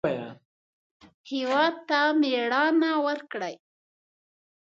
هېواد ته مېړانه ورکړئ